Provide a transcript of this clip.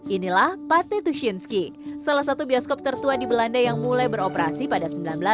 inilah pate tushinski salah satu bioskop tertua di belanda yang mulai beroperasi pada seribu sembilan ratus sembilan puluh